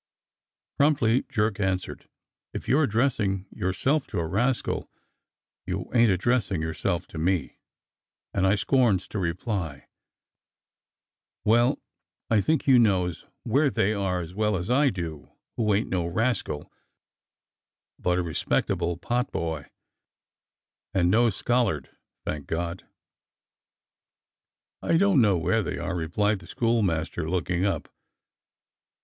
Promptly Jerk answered :*' If you're addressing your self to a rascal, you ain't addressing yourself to me, and I scorns to reply; but if I'm mistook — well, I think you knows where they are as well as I do who ain't no rascal, but a respectable potboy, and no schol ard, thank God!" "I don't know where they are," replied the school master, looking up.